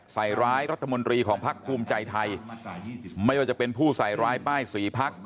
ใส่ร้ายรัฐมนตรีของพักภูมิใจไทยไม่ว่าจะเป็นผู้ใส่ร้ายป้ายสีพัก